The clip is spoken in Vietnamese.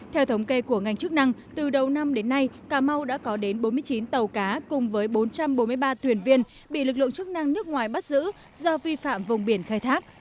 theo thống kê của ngành chức năng từ đầu năm đến nay cà mau đã có đến bốn mươi chín tàu cá cùng với bốn trăm bốn mươi ba thuyền viên bị lực lượng chức năng nước ngoài bắt giữ do vi phạm vùng biển khai thác